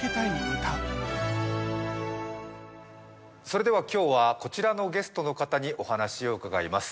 それでは今日はこちらのゲストの方にお話を伺います。